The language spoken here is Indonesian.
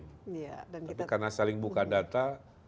tapi karena saling buka data